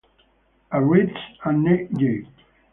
A. Reeds and N. J.